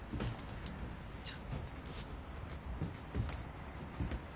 じゃあ。